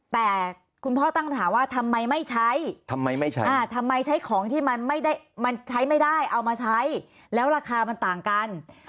แต่คุณพ่อตั้งถามว่าทำไมไม่ใช้ทำไมใช้ของที่มันใช้ไม่ได้เอามาใช้แล้วราคามันต่างกัน